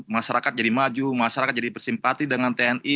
masyarakat jadi maju masyarakat jadi bersimpati dengan tni